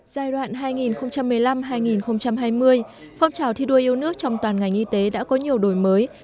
giai đoạn hai nghìn một mươi năm hai nghìn hai mươi phong trào thi đua yêu nước trong toàn ngành y tế đã có nhiều đổi mới